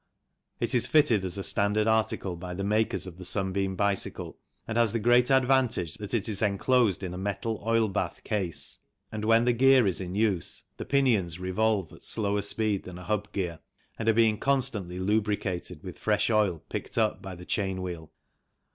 It is fitted as a standard article by the makers of the Sunbeam bicycle and has the great advantage that it is enclosed in a metal oil bath case and when the gear is in use the pinions revolve at slower speed than a hub gear, and are being constantly lubricated with fresh oil picked up by the chain wheel.